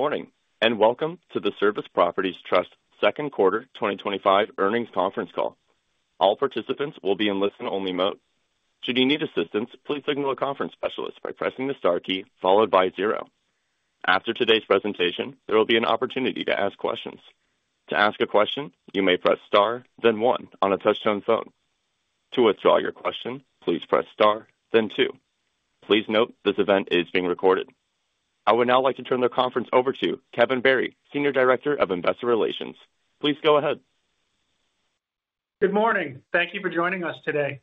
Good morning and welcome to the Service Properties Trust's second quarter 2025 earnings conference call. All participants will be in listen-only mode. Should you need assistance, please signal a conference specialist by pressing the star key followed by zero. After today's presentation, there will be an opportunity to ask questions. To ask a question, you may press star, then one on a touch-tone phone. To withdraw your question, please press star, then two. Please note this event is being recorded. I would now like to turn the conference over to Kevin Barry, Senior Director of Investor Relations. Please go ahead. Good morning. Thank you for joining us today.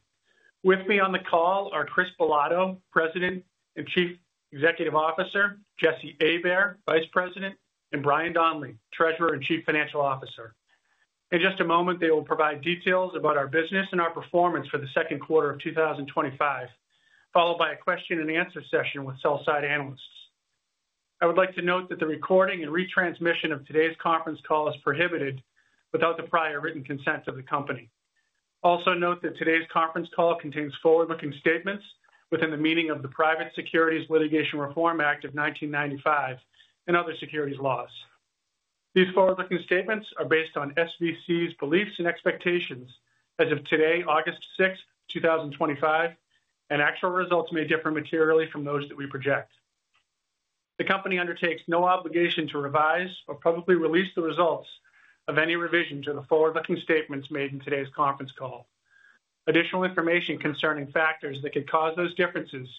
With me on the call are Chris Bilotto, President and Chief Executive Officer, Jesse Abair, Vice President, and Brian Donley, Treasurer and Chief Financial Officer. In just a moment, they will provide details about our business and our performance for the second quarter of 2025, followed by a question-and-answer session with sell-side analysts. I would like to note that the recording and retransmission of today's conference call is prohibited without the prior written consent of the company. Also note that today's conference call contains forward-looking statements within the meaning of the Private Securities Litigation Reform Act of 1995 and other securities laws. These forward-looking statements are based on SVC's beliefs and expectations as of today, August 6, 2025, and actual results may differ materially from those that we project. The company undertakes no obligation to revise or publicly release the results of any revision to the forward-looking statements made in today's conference call. Additional information concerning factors that could cause those differences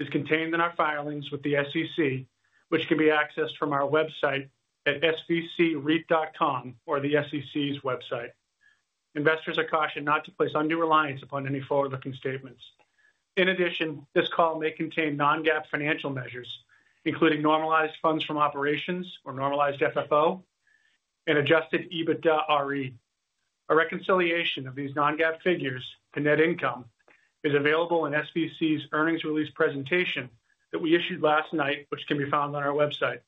is contained in our filings with the SEC, which can be accessed from our website @svcreit.com or the SEC's website. Investors are cautioned not to place undue reliance upon any forward-looking statements. In addition, this call may contain non-GAAP financial measures, including normalized funds from operations or normalized FFO and adjusted EBITDA RE. A reconciliation of these non-GAAP figures to net income is available in SVC's earnings release presentation that we issued last night, which can be found on our website.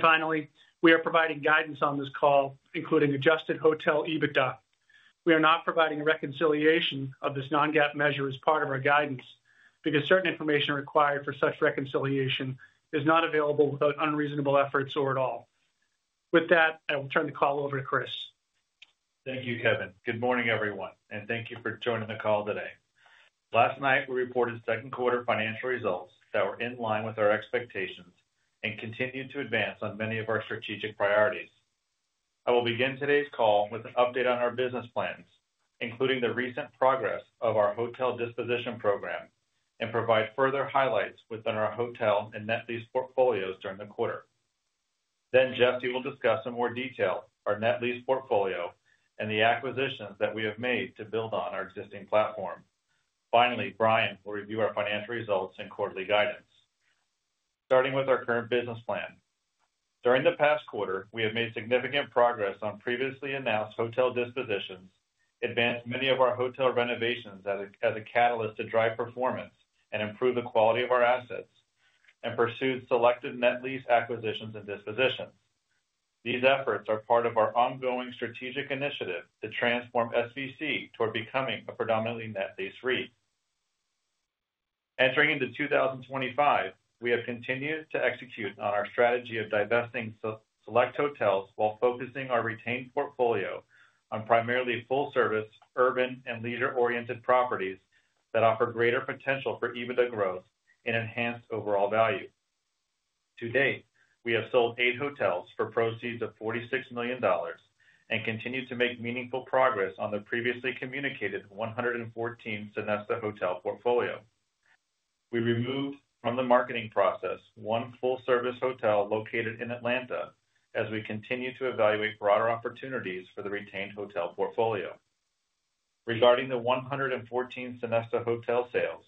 Finally, we are providing guidance on this call, including adjusted hotel EBITDA. We are not providing a reconciliation of this non-GAAP measure as part of our guidance because certain information required for such reconciliation is not available without unreasonable efforts or at all. With that, I will turn the call over to Chris. Thank you, Kevin. Good morning, everyone, and thank you for joining the call today. Last night, we reported second quarter financial results that were in line with our expectations and continued to advance on many of our strategic priorities. I will begin today's call with an update on our business plans, including the recent progress of our hotel disposition program, and provide further highlights within our hotel and net lease portfolios during the quarter. Then Jesse will discuss in more detail our net lease portfolio and the acquisitions that we have made to build on our existing platform. Finally, Brian will review our financial results and quarterly guidance. Starting with our current business plan, during the past quarter, we have made significant progress on previously announced hotel dispositions, advanced many of our hotel renovations as a catalyst to drive performance and improve the quality of our assets, and pursued selective net lease acquisitions and dispositions. These efforts are part of our ongoing strategic initiative to transform SVC toward becoming a predominantly net lease REIT. Entering into 2025, we have continued to execute on our strategy of divesting select hotels while focusing our retained portfolio on primarily full-service, urban, and leisure-oriented properties that offer greater potential for EBITDA growth and enhance overall value. To date, we have sold eight hotels for proceeds of $46 million and continue to make meaningful progress on the previously communicated 114 Sonesta Hotels portfolio. We removed from the marketing process one full-service hotel located in Atlanta as we continue to evaluate broader opportunities for the retained hotel portfolio. Regarding the 114 Sonesta Hotels sales,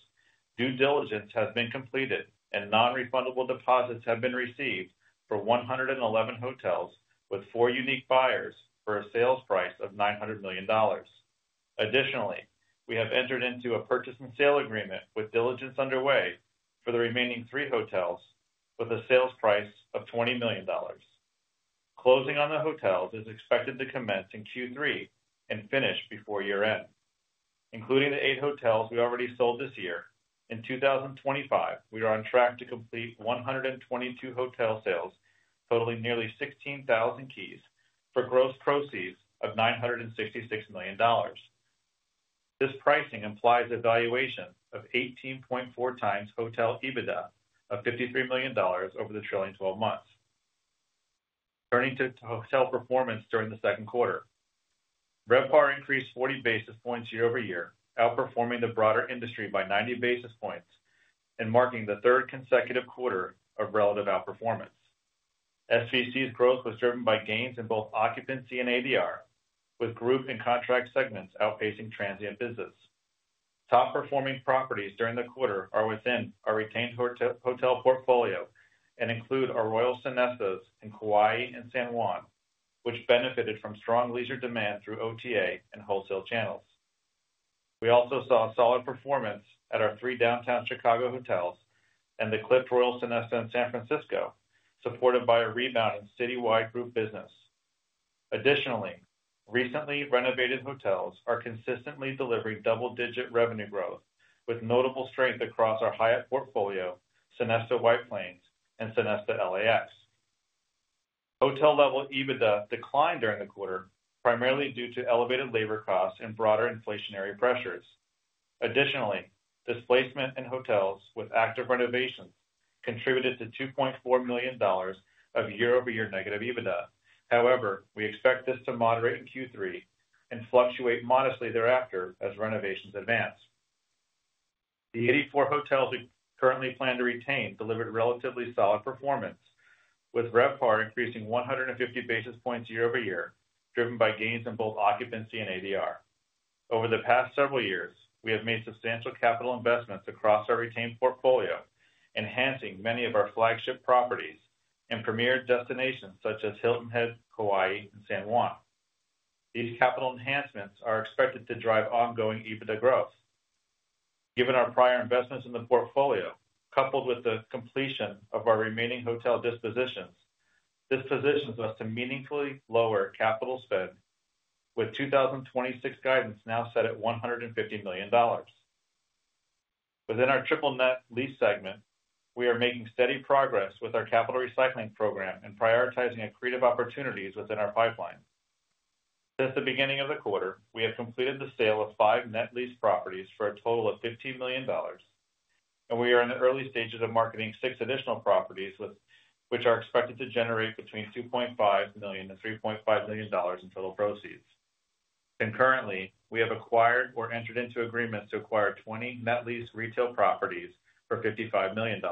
due diligence has been completed and non-refundable deposits have been received for 111 hotels with four unique buyers for a sales price of $900 million. We have entered into a purchase and sale agreement with diligence underway for the remaining three hotels with a sales price of $20 million. Closing on the hotels is expected to commence in Q3 and finish before year-end. Including the eight hotels we already sold this year, in 2025, we are on track to complete 122 hotel sales, totaling nearly 16,000 keys for gross proceeds of $966 million. This pricing implies a valuation of 18.4x hotel EBITDA of $53 million over the trailing 12 months. Turning to hotel performance during the second quarter, RevPAR increased 40 basis points year-over-year, outperforming the broader industry by 90 basis points and marking the third consecutive quarter of relative outperformance. SVC's growth was driven by gains in both occupancy and ADR, with group and contract segments outpacing transient business. Top-performing properties during the quarter are within our retained hotel portfolio and include our Royal Sonesta Kaua'i and Royal Sonesta San Juan, which benefited from strong leisure demand through OTA and wholesale channels. We also saw solid performance at our three downtown Chicago hotels and the Clift Royal Sonesta in San Francisco, supported by a rebounding citywide group business. Additionally, recently renovated hotels are consistently delivering double-digit revenue growth with notable strength across our Hyatt portfolio, Sonesta White Plains, and Sonesta LAX. Hotel-level EBITDA declined during the quarter, primarily due to elevated labor costs and broader inflationary pressures. Additionally, displacement in hotels with active renovations contributed to $2.4 million of year-over-year negative EBITDA. However, we expect this to moderate in Q3 and fluctuate modestly thereafter as renovations advance. The 84 hotels we currently plan to retain delivered relatively solid performance, with RevPAR increasing 150 basis points year-over-year, driven by gains in both occupancy and ADR. Over the past several years, we have made substantial capital investments across our retained portfolio, enhancing many of our flagship properties and premier destinations such as Sonesta Hilton Head, Kaua'i and San Juan. These capital enhancements are expected to drive ongoing EBITDA growth. Given our prior investments in the portfolio, coupled with the completion of our remaining hotel dispositions, this positions us to meaningfully lower capital spend, with 2026 guidance now set at $150 million. Within our triple net lease segment, we are making steady progress with our capital recycling program and prioritizing creative opportunities within our pipeline. Since the beginning of the quarter, we have completed the sale of five net lease properties for a total of $15 million, and we are in the early stages of marketing six additional properties, which are expected to generate between $2.5 million and $3.5 million in total proceeds. Concurrently, we have acquired or entered into agreements to acquire 20 net lease retail properties for $55 million.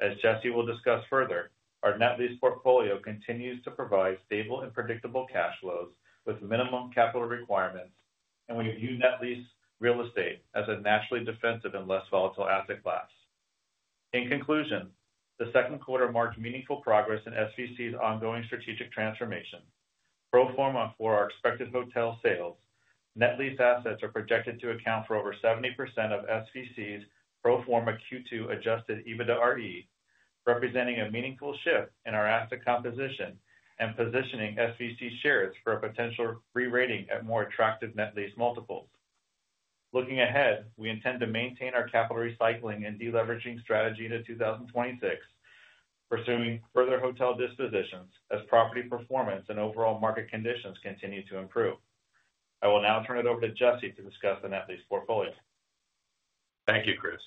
As Jesse will discuss further, our net lease portfolio continues to provide stable and predictable cash flows with minimum capital requirements, and we view net lease real estate as a naturally defensive and less volatile asset class. In conclusion, the second quarter marked meaningful progress in SVC's ongoing strategic transformation. Pro forma for our expected hotel sales, net lease assets are projected to account for over 70% of SVC's pro forma Q2 adjusted EBITDA RE, representing a meaningful shift in our asset composition and positioning SVC shares for a potential re-rating at more attractive net lease multiples. Looking ahead, we intend to maintain our capital recycling and deleveraging strategy into 2026, pursuing further hotel dispositions as property performance and overall market conditions continue to improve. I will now turn it over to Jesse to discuss the net lease portfolio. Thank you, Chris.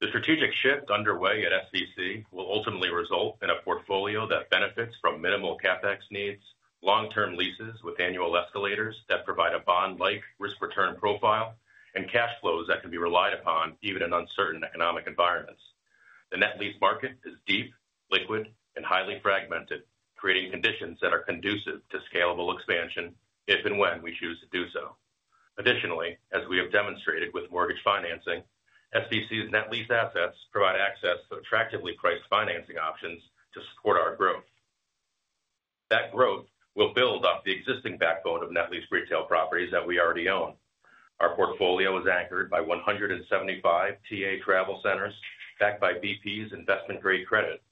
The strategic shifts underway at SVC will ultimately result in a portfolio that benefits from minimal CapEx needs, long-term leases with annual escalators that provide a bond-like risk-return profile, and cash flows that can be relied upon even in uncertain economic environments. The net lease market is deep, liquid, and highly fragmented, creating conditions that are conducive to scalable expansion if and when we choose to do so. Additionally, as we have demonstrated with mortgage financing, SVC's net lease assets provide access to attractively priced financing options to support our growth. That growth will build off the existing backbone of net lease retail properties that we already own. Our portfolio is anchored by 175 TA travel centers backed by BP's investment-grade credit.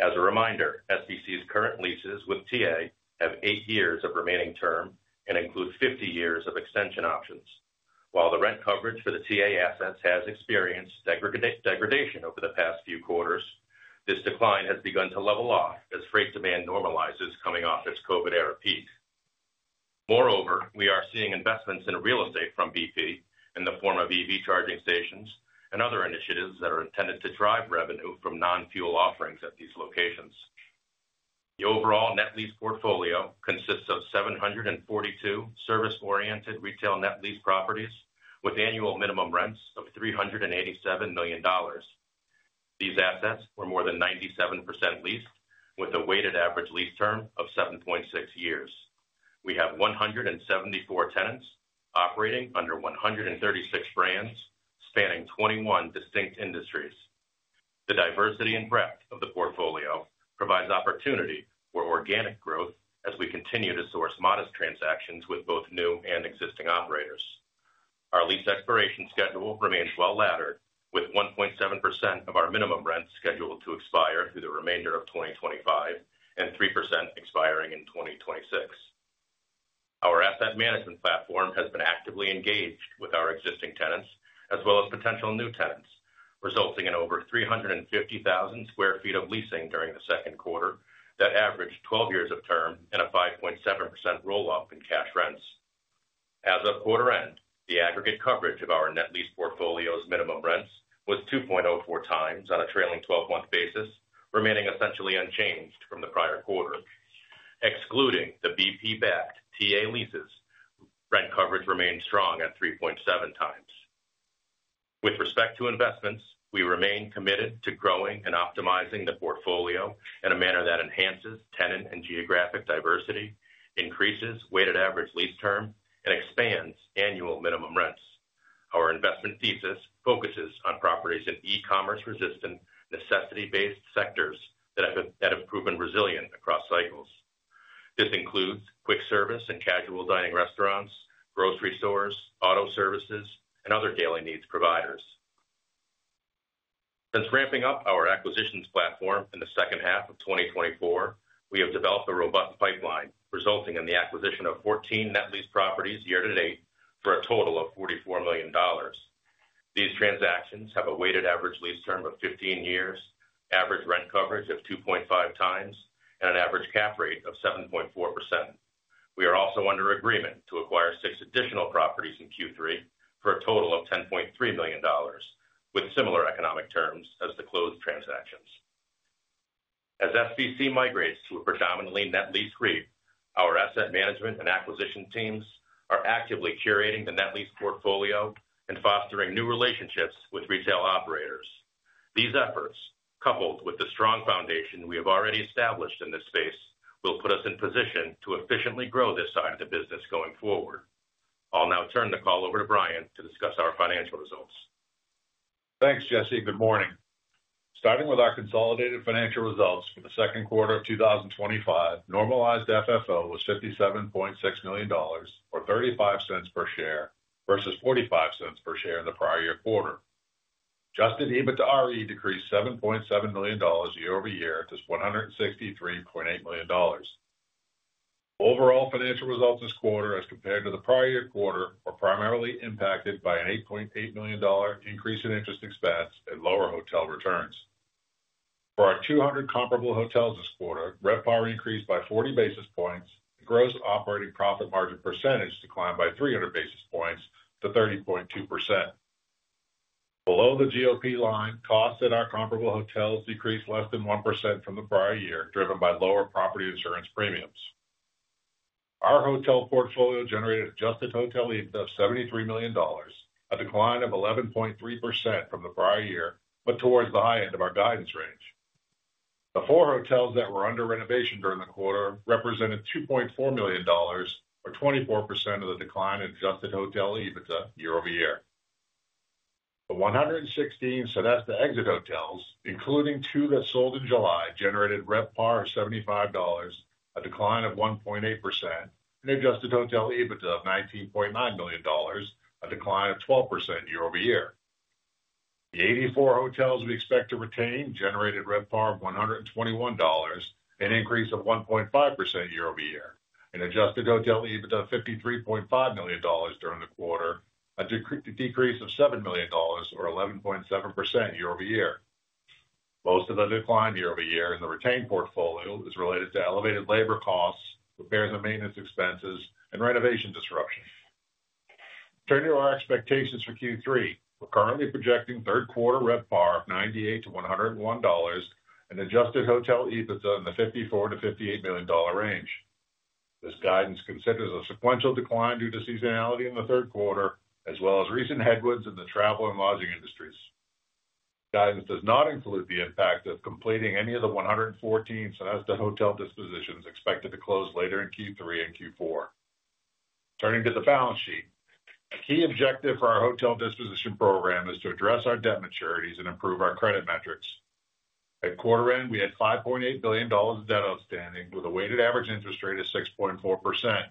As a reminder, SVC's current leases with TA have eight years of remaining term and include 50 years of extension options. While the rent coverage for the TA assets has experienced degradation over the past few quarters, this decline has begun to level off as freight demand normalizes coming off its COVID-era peak. Moreover, we are seeing investments in real estate from BP in the form of EV charging stations and other initiatives that are intended to drive revenue from non-fuel offerings at these locations. The overall net lease portfolio consists of 742 service-oriented retail net lease properties with annual minimum rents of $387 million. These assets were more than 97% leased, with a weighted average lease term of 7.6 years. We have 174 tenants operating under 136 brands, spanning 21 distinct industries. The diversity and breadth of the portfolio provides opportunity for organic growth as we continue to source modest transactions with both new and existing operators. Our lease expiration schedule remains well-laddered, with 1.7% of our minimum rents scheduled to expire through the remainder of 2025 and 3% expiring in 2026. Our asset management platform has been actively engaged with our existing tenants as well as potential new tenants, resulting in over 350,000 sq ft of leasing during the second quarter that averaged 12 years of term and a 5.7% roll-up in cash rents. As of quarter end, the aggregate coverage of our net lease portfolio's minimum rents was 2.04x on a trailing 12-month basis, remaining essentially unchanged from the prior quarter. Excluding the BP-backed TA leases, rent coverage remains strong at 3.7x. With respect to investments, we remain committed to growing and optimizing the portfolio in a manner that enhances tenant and geographic diversity, increases weighted average lease term, and expands annual minimum rents. Our investment thesis focuses on properties in e-commerce-resistant, necessity-based sectors that have proven resilient across cycles. This includes quick service and casual dining restaurants, grocery stores, auto services, and other daily needs providers. Since ramping up our acquisitions platform in the second half of 2024, we have developed a robust pipeline, resulting in the acquisition of 14 net lease properties year-to-date for a total of $44 million. These transactions have a weighted average lease term of 15 years, average rent coverage of 2.5x, and an average cap rate of 7.4%. We are also under agreement to acquire six additional properties in Q3 for a total of $10.3 million, with similar economic terms as the closed transactions. As SVC migrates to a predominantly net lease REIT, our asset management and acquisition teams are actively curating the net lease portfolio and fostering new relationships with retail operators. These efforts, coupled with the strong foundation we have already established in this space, will put us in position to efficiently grow this side of the business going forward. I'll now turn the call over to Brian to discuss our financial results. Thanks, Jesse. Good morning. Starting with our consolidated financial results for the second quarter of 2025, normalized FFO was $57.6 million or $0.35 per share versus $0.45 per share in the prior year quarter. Adjusted EBITDA RE decreased $7.7 million year-over-year to $163.8 million. Overall financial results this quarter, as compared to the prior year quarter, were primarily impacted by an $8.8 million increase in interest expense and lower hotel returns. For our 200 comparable hotels this quarter, RevPAR increased by 40 basis points and gross operating profit margin percentage declined by 300 basis points to 30.2%. Below the GOP line, costs at our comparable hotels decreased less than 1% from the prior year, driven by lower property insurance premiums. Our hotel portfolio generated adjusted hotel EBITDA of $73 million, a decline of 11.3% from the prior year, but towards the high end of our guidance range. The four hotels that were under renovation during the quarter represented $2.4 million, or 24% of the decline in adjusted hotel EBITDA year-over-year. The 116 Sonesta exit hotels, including two that sold in July, generated RevPAR of $75, a decline of 1.8%, and adjusted hotel EBITDA of $19.9 million, a decline of 12% year-over-year. The 84 hotels we expect to retain generated RevPAR of $121, an increase of 1.5% year-over-year, and adjusted hotel EBITDA of $53.5 million during the quarter, a decrease of $7 million, or 11.7% year-over-year. Most of the decline year-over-year in the retained portfolio is related to elevated labor costs, repairs and maintenance expenses, and renovation disruptions. Turning to our expectations for Q3, we're currently projecting third quarter RevPAR of $98-$101 and adjusted hotel EBITDA in the $54 -$58 million range. This guidance considers a sequential decline due to seasonality in the third quarter, as well as recent headwinds in the travel and lodging industries. Guidance does not include the impact of completing any of the 114 Sonesta hotels dispositions expected to close later in Q3 and Q4. Turning to the balance sheet, the key objective for our hotel disposition program is to address our debt maturities and improve our credit metrics. At quarter end, we had $5.8 billion of debt outstanding, with a weighted average interest rate of 6.4%.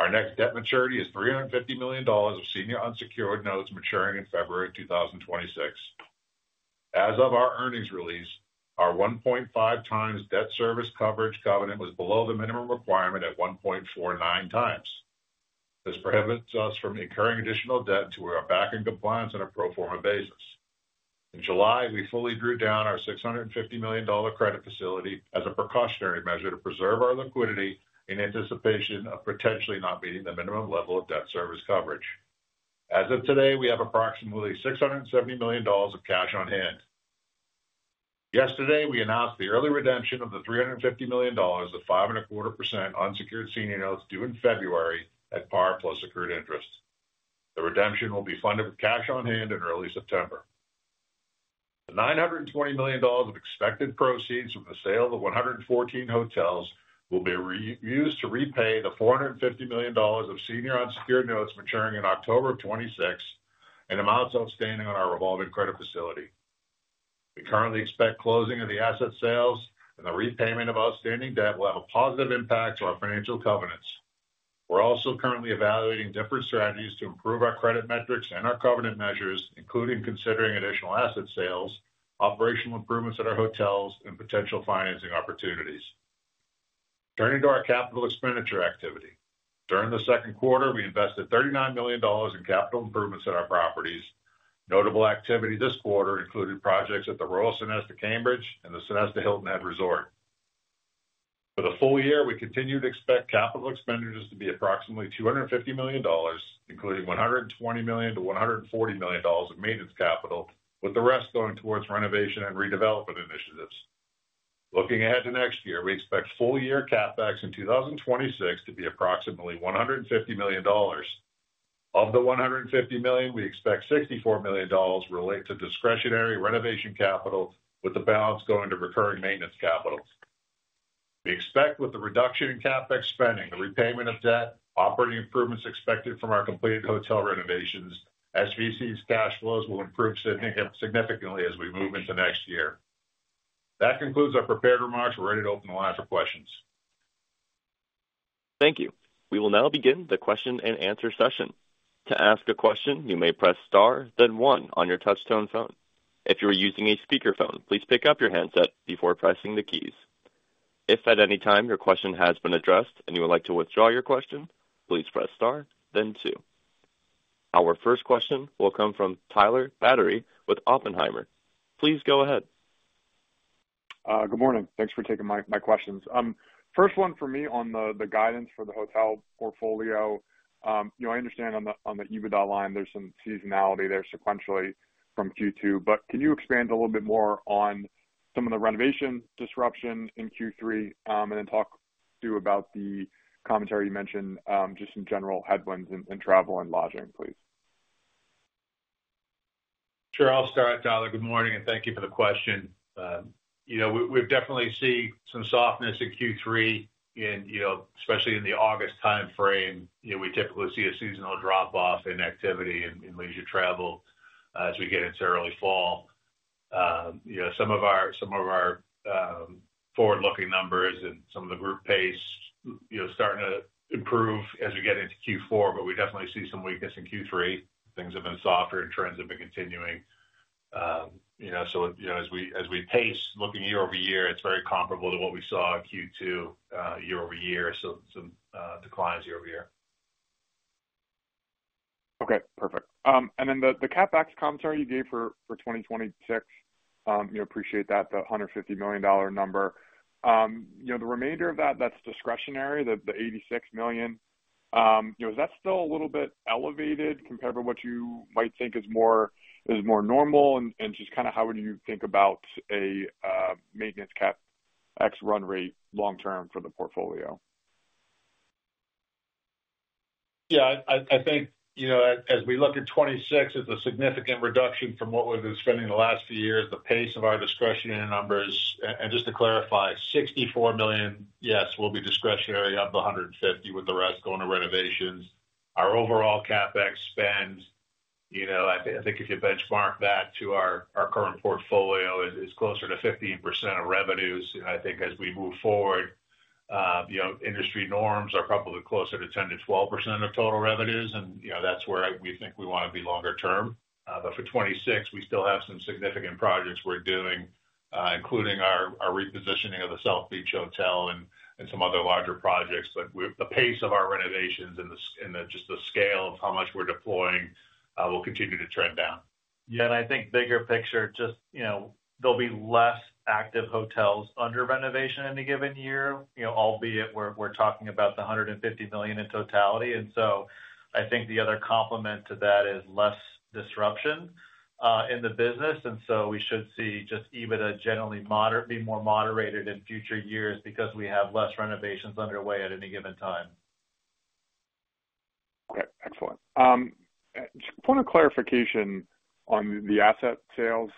Our next debt maturity is $350 million of senior unsecured notes maturing in February 2026. As of our earnings release, our 1.5x debt service coverage covenant was below the minimum requirement at 1.49x. This prohibits us from incurring additional debt to our backing compliance on a pro forma basis. In July, we fully drew down our $650 million credit facility as a precautionary measure to preserve our liquidity in anticipation of potentially not meeting the minimum level of debt service coverage. As of today, we have approximately $670 million of cash on hand. Yesterday, we announced the early redemption of the $350 million of 5.25% unsecured senior notes due in February at par plus accrued interest. The redemption will be funded with cash on hand in early September. The $920 million of expected proceeds from the sale of the 114 hotels will be used to repay the $450 million of senior unsecured notes maturing in October of 2026 and amounts outstanding on our revolving credit facility. We currently expect closing of the asset sales and the repayment of outstanding debt will have a positive impact to our financial covenants. We're also currently evaluating different strategies to improve our credit metrics and our covenant measures, including considering additional asset sales, operational improvements at our hotels, and potential financing opportunities. Turning to our capital expenditure activity, during the second quarter, we invested $39 million in capital improvements at our properties. Notable activity this quarter included projects at the Royal Sonesta Cambridge and the Sonesta Hilton Head Resort. For the full year, we continue to expect capital expenditures to be approximately $250 million, including $120 million-$140 million of maintenance capital, with the rest going towards renovation and redevelopment initiatives. Looking ahead to next year, we expect full-year CapEx in 2026 to be approximately $150 million. Of the $150 million, we expect $64 million related to discretionary renovation capital, with the balance going to recurring maintenance capital. We expect, with the reduction in CapEx spending, the repayment of debt, operating improvements expected from our completed hotel renovations, SVC's cash flows will improve significantly as we move into next year. That concludes our prepared remarks. We're ready to open the line for questions. Thank you. We will now begin the question-and-answer session. To ask a question, you may press star, then one on your touch-tone phone. If you are using a speaker phone, please pick up your handset before pressing the keys. If at any time your question has been addressed and you would like to withdraw your question, please press star, then two. Our first question will come from Tyler Batory with Oppenheimer. Please go ahead. Good morning. Thanks for taking my questions. First one for me on the guidance for the hotel portfolio. I understand on the EBITDA line, there's some seasonality there sequentially from Q2, but can you expand a little bit more on some of the renovation disruption in Q3 and then talk too about the commentary you mentioned just in general headwinds in travel and lodging, please? Sure, I'll start. Tyler, good morning and thank you for the question. We've definitely seen some softness in Q3, especially in the August timeframe. We typically see a seasonal drop-off in activity in leisure travel as we get into early fall. Some of our forward-looking numbers and some of the group pace are starting to improve as we get into Q4, but we definitely see some weakness in Q3. Things have been softer and trends have been continuing. As we pace looking year-over-year, it's very comparable to what we saw in Q2 year-over-year, some declines year-over-year. Okay, perfect. The CapEx commentary you gave for 2026, appreciate that, the $150 million number. The remainder of that, that's discretionary, the $86 million. Is that still a little bit elevated compared to what you might think is more normal, and just kind of how would you think about a maintenance CapEx run rate long-term for the portfolio? Yeah, I think, you know, as we look at 2026, it's a significant reduction from what we've been spending the last few years, the pace of our discretionary numbers. Just to clarify, $64 million, yes, will be discretionary of the $150 million, with the rest going to renovations. Our overall CapEx spend, you know, I think if you benchmark that to our current portfolio, it's closer to 15% of revenues. I think as we move forward, industry norms are probably closer to 10%-12% of total revenues, and that's where we think we want to be longer-term. For 2026, we still have some significant projects we're doing, including our repositioning of the South Beach Hotel and some other larger projects. The pace of our renovations and just the scale of how much we're deploying will continue to trend down. Yeah, I think bigger picture, there'll be less active hotels under renovation in any given year, albeit we're talking about the $150 million in totality. I think the other complement to that is less disruption in the business. We should see just EBITDA generally be more moderated in future years because we have less renovations underway at any given time. Okay, excellent. Just a point of clarification on the asset sales.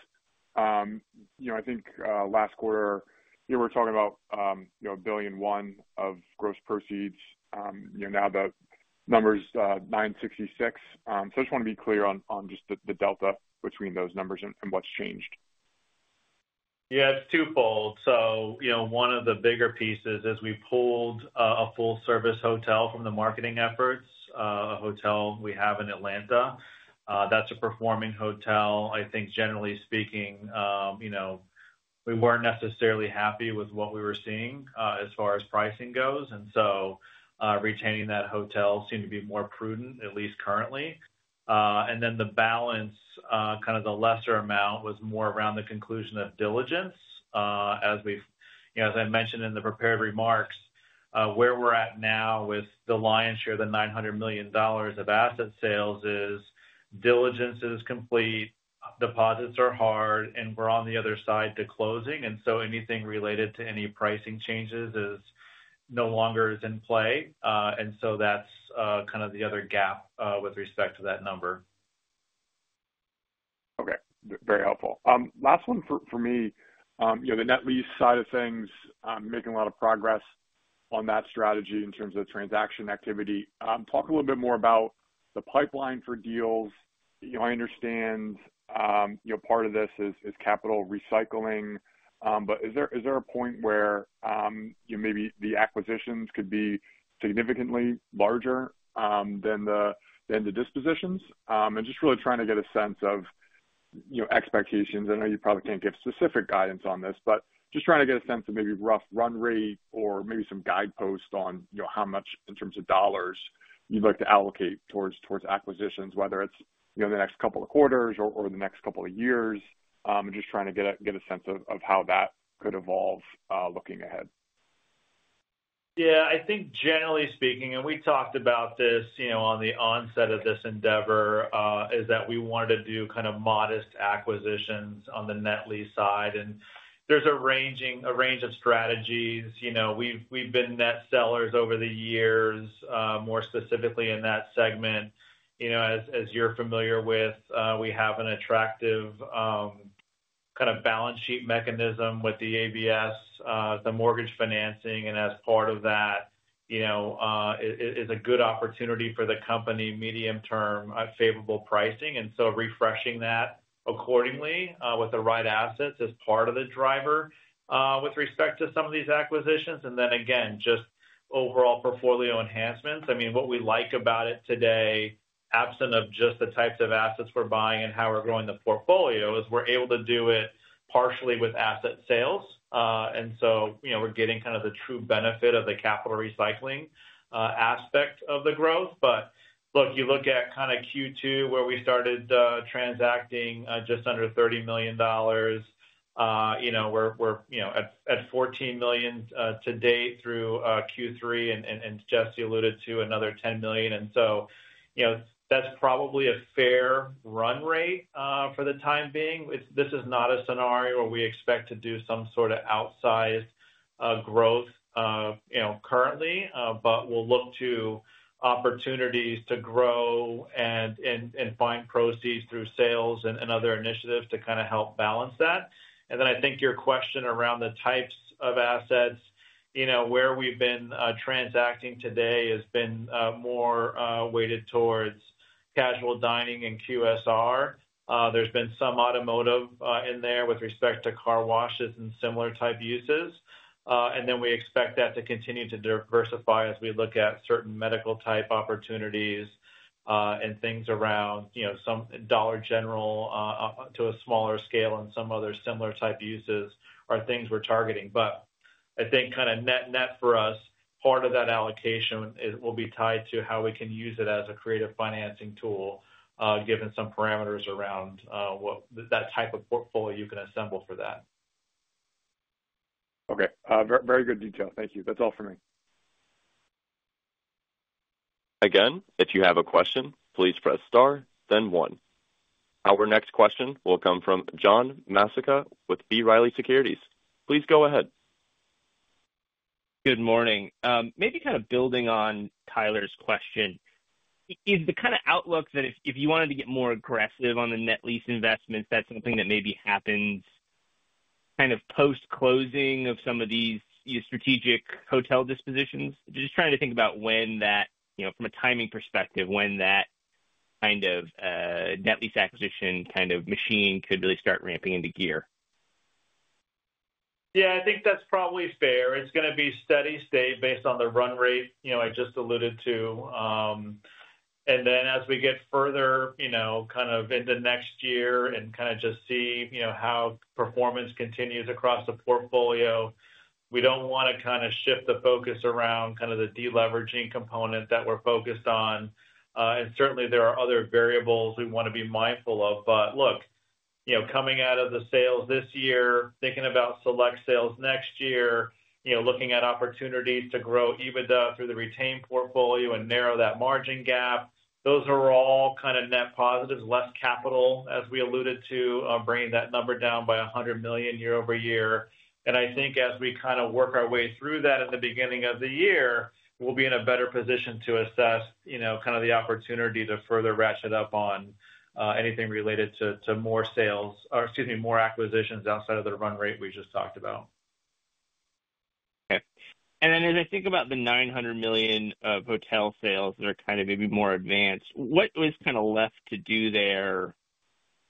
I think last quarter, we're talking about $1 billion of gross proceeds. Now the number's $966 million. I just want to be clear on the delta between those numbers and what's changed. Yeah, it's twofold. One of the bigger pieces is we pulled a full-service hotel from the marketing efforts, a hotel we have in Atlanta. That's a performing hotel. I think generally speaking, we weren't necessarily happy with what we were seeing as far as pricing goes, so retaining that hotel seemed to be more prudent, at least currently. The balance, kind of the lesser amount, was more around the conclusion of diligence. As I mentioned in the prepared remarks, where we're at now with the lion's share, the $900 million of asset sales, is diligence is complete, deposits are hard, and we're on the other side to closing. Anything related to any pricing changes is no longer in play. That's kind of the other gap with respect to that number. Okay, very helpful. Last one for me, you know, the net lease side of things, making a lot of progress on that strategy in terms of the transaction activity. Talk a little bit more about the pipeline for deals. I understand part of this is capital recycling, but is there a point where maybe the acquisitions could be significantly larger than the dispositions? Just really trying to get a sense of expectations. I know you probably can't give specific guidance on this, but just trying to get a sense of maybe rough run rate or maybe some guidepost on how much in terms of dollars you'd like to allocate towards acquisitions, whether it's the next couple of quarters or the next couple of years, and just trying to get a sense of how that could evolve looking ahead. Yeah, I think generally speaking, and we talked about this on the onset of this endeavor, is that we wanted to do kind of modest acquisitions on the net lease side. There's a range of strategies. We've been net sellers over the years, more specifically in that segment. As you're familiar with, we have an attractive kind of balance sheet mechanism with the ABS, the mortgage financing. As part of that, it's a good opportunity for the company, medium-term favorable pricing. Refreshing that accordingly with the right assets is part of the driver with respect to some of these acquisitions. Again, just overall portfolio enhancements. What we like about it today, absent of just the types of assets we're buying and how we're growing the portfolio, is we're able to do it partially with asset sales. We're getting kind of the true benefit of the capital recycling aspect of the growth. You look at Q2 where we started transacting just under $30 million. We're at $14 million to date through Q3, and Jesse alluded to another $10 million. That's probably a fair run rate for the time being. This is not a scenario where we expect to do some sort of outsized growth currently, but we'll look to opportunities to grow and find proceeds through sales and other initiatives to help balance that. I think your question around the types of assets, where we've been transacting today has been more weighted towards casual dining and QSR. There's been some automotive in there with respect to car washes and similar type uses. We expect that to continue to diversify as we look at certain medical type opportunities and things around some Dollar General to a smaller scale and some other similar type uses are things we're targeting. I think net net for us, part of that allocation will be tied to how we can use it as a creative financing tool, given some parameters around what that type of portfolio you can assemble for that. Okay, very good detail. Thank you. That's all for me. Again, if you have a question, please press star, then one. Our next question will come from John Massocca with B. Riley Securities. Please go ahead. Good morning. Maybe kind of building on Tyler's question, is the kind of outlook that if you wanted to get more aggressive on the net lease investments, that's something that maybe happens post-closing of some of these strategic hotel dispositions? Just trying to think about when that, from a timing perspective, when that kind of net lease acquisition machine could really start ramping into gear. Yeah, I think that's probably fair. It's going to be steady state based on the run rate I just alluded to. As we get further into next year and see how performance continues across the portfolio, we don't want to shift the focus around the deleveraging component that we're focused on. Certainly, there are other variables we want to be mindful of. Look, coming out of the sales this year, thinking about select sales next year, looking at opportunities to grow EBITDA through the retained portfolio and narrow that margin gap, those are all net positives, less capital, as we alluded to, bringing that number down by $100 million year-over-year. I think as we work our way through that in the beginning of the year, we'll be in a better position to assess the opportunity to further ratchet up on anything related to more sales or, excuse me, more acquisitions outside of the run rate we just talked about. Okay. As I think about the $900 million of hotel sales that are maybe more advanced, what is left to do there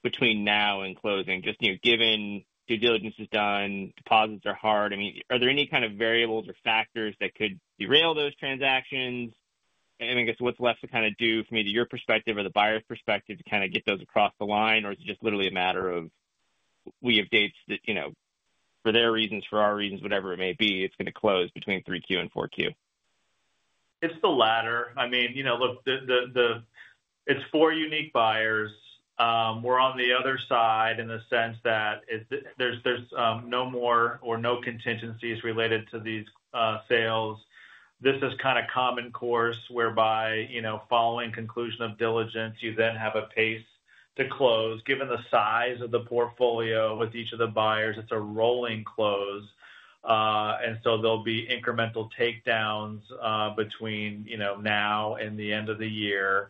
between now and closing? Given due diligence is done, deposits are hard, are there any variables or factors that could derail those transactions? I guess what's left to do from either your perspective or the buyer's perspective to get those across the line? Is it just literally a matter of we have dates that, for their reasons, for our reasons, whatever it may be, it's going to close between 3Q and 4Q? It's the latter. I mean, look, it's four unique buyers. We're on the other side in the sense that there's no more or no contingencies related to these sales. This is kind of common course whereby, following conclusion of diligence, you then have a pace to close. Given the size of the portfolio with each of the buyers, it's a rolling close, so there'll be incremental takedowns between now and the end of the year.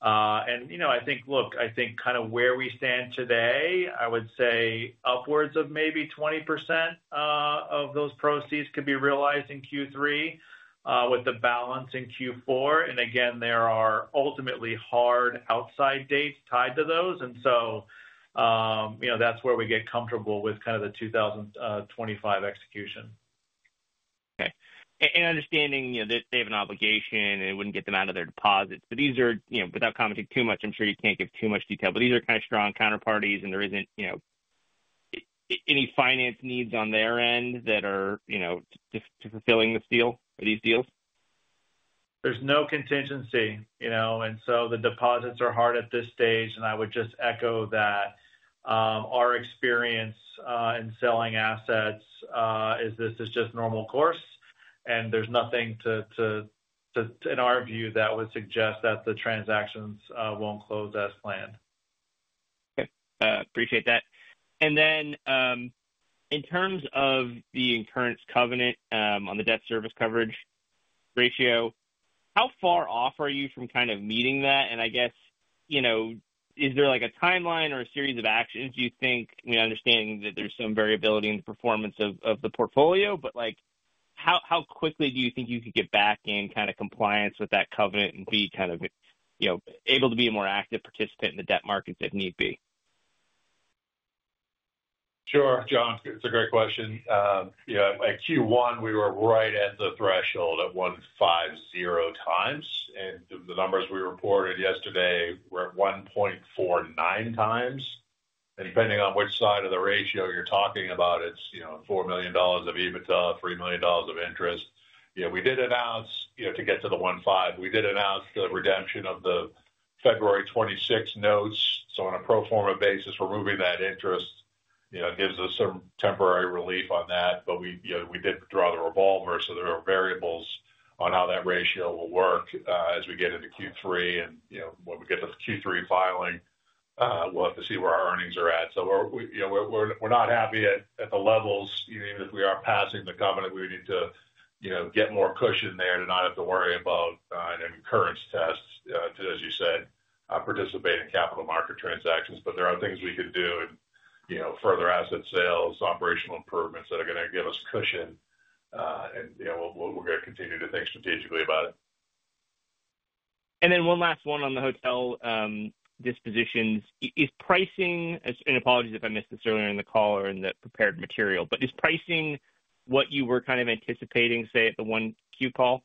I think, look, I think kind of where we stand today, I would say upwards of maybe 20% of those proceeds could be realized in Q3 with the balance in Q4. Again, there are ultimately hard outside dates tied to those, so that's where we get comfortable with kind of the 2025 execution. Okay. Understanding that they have an obligation and it wouldn't get them out of their deposit, these are, without commenting too much, I'm sure you can't give too much detail, but these are kind of strong counterparties and there isn't any finance needs on their end that are to fulfilling this deal or these deals? There's no contingency, you know, and the deposits are hard at this stage. I would just echo that our experience in selling assets is this is just normal course, and there's nothing to, in our view, that would suggest that the transactions won't close as planned. Okay. Appreciate that. In terms of the incurrence covenant on the debt service coverage ratio, how far off are you from kind of meeting that? I guess, is there like a timeline or a series of actions you think, understanding that there's some variability in the performance of the portfolio, but how quickly do you think you could get back in kind of compliance with that covenant and be able to be a more active participant in the debt markets if need be? Sure, John. It's a great question. At Q1, we were right at the threshold at 1.50x, and the numbers we reported yesterday were at 1.49x. Depending on which side of the ratio you're talking about, it's $4 million of EBITDA, $3 million of interest. We did announce, to get to the 1.50x, the redemption of the February 2026 notes. On a pro forma basis, removing that interest gives us some temporary relief on that. We did draw the revolver, so there are variables on how that ratio will work as we get into Q3. When we get to the Q3 filing, we'll have to see where our earnings are at. We're not happy at the levels. Even if we are passing the covenant, we would need to get more cushion there to not have to worry about an incurrence test, to, as you said, participate in capital market transactions. There are things we could do, and further asset sales, operational improvements that are going to give us cushion. We're going to continue to think strategically about it. One last one on the hotel dispositions. Is pricing, and apologies if I missed this earlier in the call or in the prepared material, but is pricing what you were kind of anticipating, say, at the 1Q call?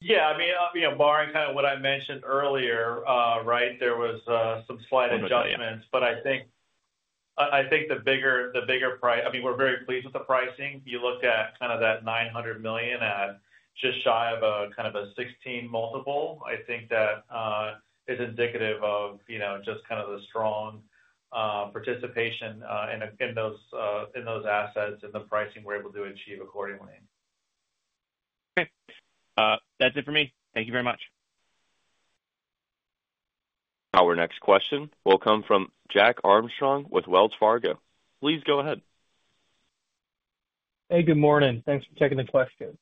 Yeah, barring kind of what I mentioned earlier, there were some slight adjustments. I think the bigger price, I mean, we're very pleased with the pricing. You look at that $900 million at just shy of a 16 multiple. I think that is indicative of the strong participation in those assets and the pricing we're able to achieve accordingly. Okay, that's it for me. Thank you very much. Our next question will come from Jack Armstrong with Wells Fargo. Please go ahead. Hey, good morning. Thanks for checking the question.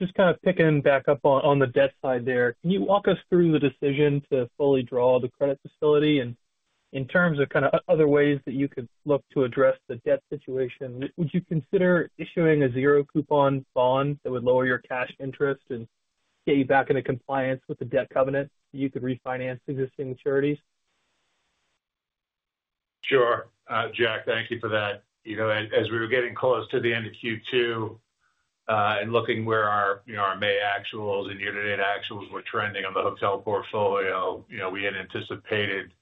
Just kind of picking back up on the debt side there. Can you walk us through the decision to fully draw the credit facility? In terms of kind of other ways that you could look to address the debt situation, would you consider issuing a zero coupon bond that would lower your cash interest and get you back into compliance with the debt covenant so you could refinance existing maturities? Sure, Jack, thank you for that. As we were getting close to the end of Q2 and looking where our May actuals and year-to-date actuals were trending on the hotel portfolio, we had anticipated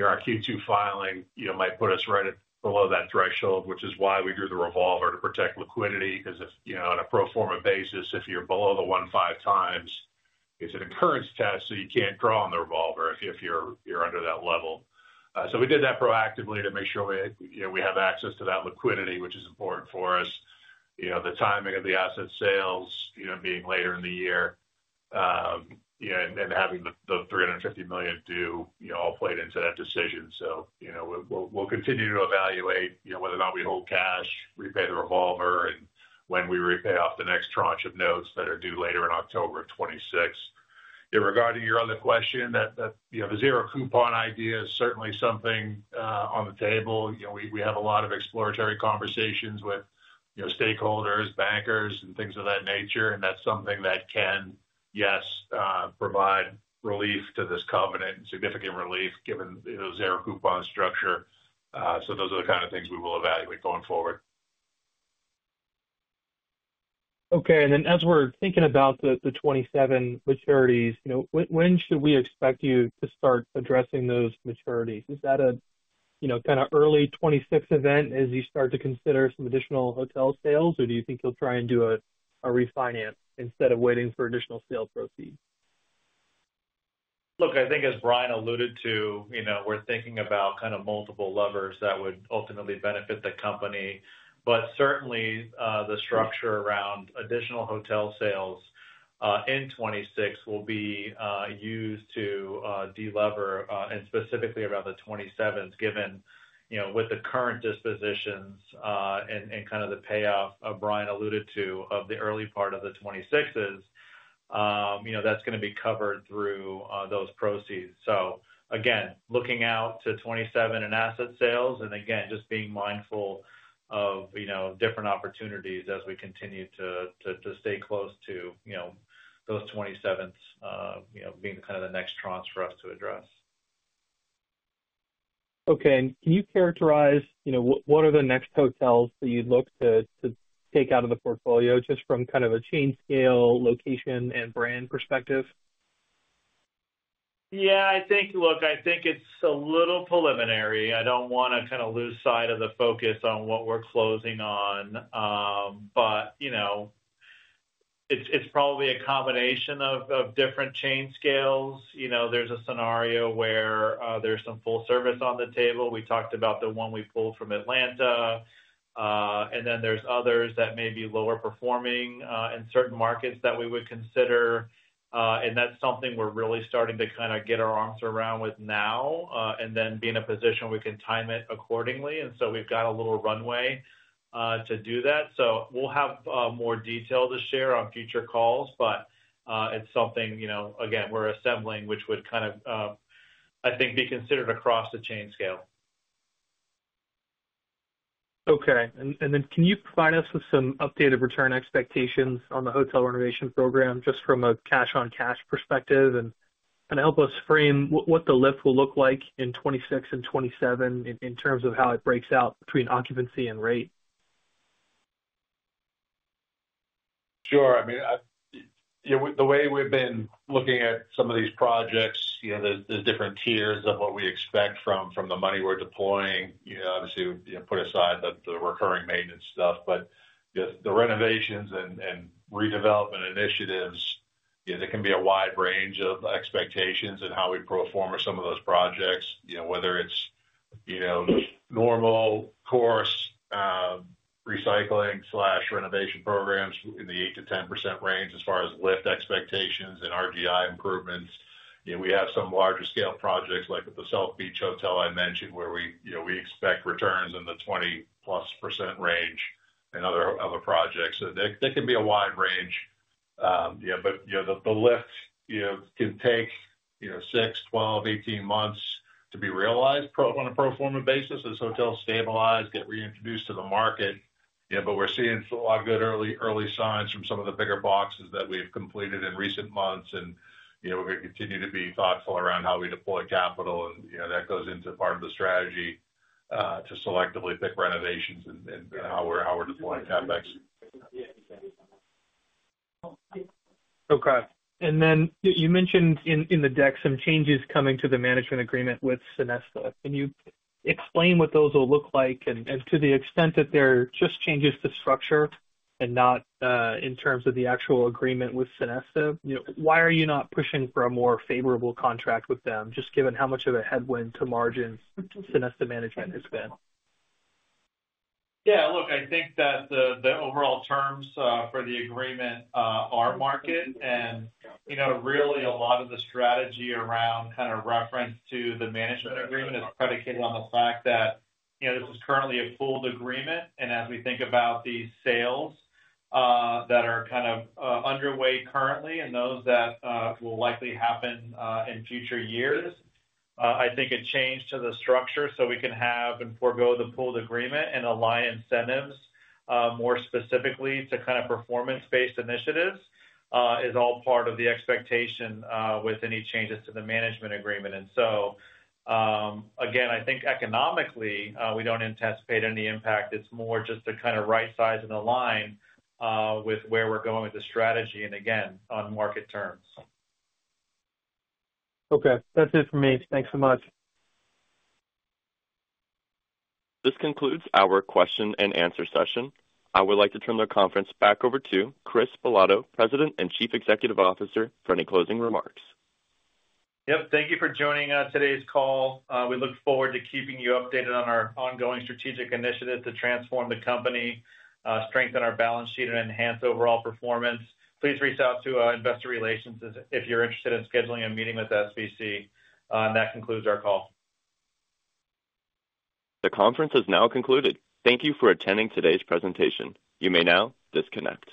our Q2 filing might put us right below that threshold, which is why we drew the revolver to protect liquidity. Because if, on a pro forma basis, you're below the 1.5x, it's an incurrence test. You can't draw on the revolver if you're under that level. We did that proactively to make sure we have access to that liquidity, which is important for us. The timing of the asset sales being later in the year and having the $350 million due all played into that decision. We'll continue to evaluate whether or not we hold cash, repay the revolver, and when we repay off the next tranche of notes that are due later in October of 2026. In regard to your other question, the zero coupon idea is certainly something on the table. We have a lot of exploratory conversations with stakeholders, bankers, and things of that nature. That's something that can, yes, provide relief to this covenant and significant relief given the zero coupon structure. Those are the kind of things we will evaluate going forward. Okay. As we're thinking about the 2027 maturities, when should we expect you to start addressing those maturities? Is that a kind of early 2026 event as you start to consider some additional hotel sales, or do you think you'll try and do a refinance instead of waiting for additional sales proceeds? I think as Brian alluded to, we're thinking about kind of multiple levers that would ultimately benefit the company. Certainly, the structure around additional hotel sales in 2026 will be used to delever, and specifically around the 2027s, given with the current dispositions and the payoff Brian alluded to of the early part of the 2026s, that's going to be covered through those proceeds. Again, looking out to 2027 in asset sales and just being mindful of different opportunities as we continue to stay close to those 2027s, being the next tranche for us to address. Okay. Can you characterize what are the next hotels that you'd look to take out of the portfolio just from kind of a chain scale, location, and brand perspective? Yeah, I think it's a little preliminary. I don't want to kind of lose sight of the focus on what we're closing on. You know, it's probably a combination of different chain scales. There's a scenario where there's some full-service on the table. We talked about the one we pulled from Atlanta. There are others that may be lower performing in certain markets that we would consider. That's something we're really starting to kind of get our arms around now and then be in a position where we can time it accordingly. We've got a little runway to do that. We'll have more detail to share on future calls, but it's something, you know, again, we're assembling, which would kind of, I think, be considered across the chain scale. Okay. Can you provide us with some updated return expectations on the hotel renovation program just from a cash-on-cash perspective and help us frame what the lift will look like in 2026 and 2027 in terms of how it breaks out between occupancy and rate? Sure. The way we've been looking at some of these projects, there's different tiers of what we expect from the money we're deploying. Obviously, put aside the recurring maintenance stuff, but the renovations and redevelopment initiatives, there can be a wide range of expectations in how we perform some of those projects, whether it's normal course recycling/renovation programs in the 8%-10% range as far as lift expectations and RGI improvements. We have some larger scale projects like at the South Beach Hotel I mentioned where we expect returns in the 20%+ range and other projects. That can be a wide range. The lifts can take six, 12, 18 months to be realized on a pro forma basis as hotels stabilize and get reintroduced to the market. We're seeing a lot of good early signs from some of the bigger boxes that we've completed in recent months. We're going to continue to be thoughtful around how we deploy capital. That goes into part of the strategy to selectively pick renovations and how we're deploying CapEx. Okay. You mentioned in the deck some changes coming to the management agreement with Sonesta. Can you explain what those will look like and to the extent that they're just changes to structure and not in terms of the actual agreement with Sonesta? Why are you not pushing for a more favorable contract with them, just given how much of a headwind to margins Sonesta management has been? Yeah, look, I think that the overall terms for the agreement are on market. You know, really, a lot of the strategy around kind of reference to the management agreement is predicated on the fact that this is currently a pooled agreement. As we think about the sales that are underway currently and those that will likely happen in future years, I think a change to the structure so we can have and forego the pooled agreement and align incentives more specifically to performance-based initiatives is all part of the expectation with any changes to the management agreement. I think economically, we don't anticipate any impact. It's more just to right-size and align with where we're going with the strategy and, again, on market terms. Okay, that's it for me. Thanks so much. This concludes our question and answer session. I would like to turn the conference back over to Chris Bilotto, President and Chief Executive Officer, for any closing remarks. Thank you for joining today's call. We look forward to keeping you updated on our ongoing strategic initiatives to transform the company, strengthen our balance sheet, and enhance overall performance. Please reach out to Investor Relations if you're interested in scheduling a meeting with SVC. That concludes our call. The conference is now concluded. Thank you for attending today's presentation. You may now disconnect.